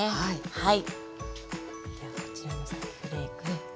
はい。